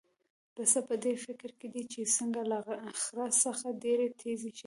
پسه په دې فکر کې دی چې څنګه له خره څخه ډېر تېز شي.